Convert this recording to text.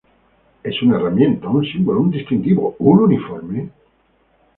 Es una herramienta, un símbolo, un distintivo, un uniforme?